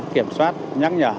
kiểm soát nhắc nhở